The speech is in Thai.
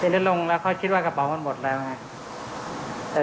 แล้วลงแล้วเขาคิดว่ากระเป๋ามันหมดแล้วไง